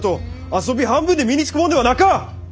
遊び半分で身につくもんではなか！